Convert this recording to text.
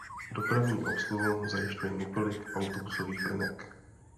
Dopravní obsluhu zajišťuje několik autobusových linek.